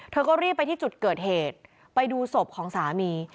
เธอก็รีบไปที่จุดเกิดเหตุไปดูศพของสามี